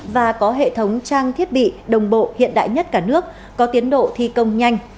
và có hệ thống trang thiết bị đồng bộ hiện đại nhất cả nước có tiến độ thi công nhanh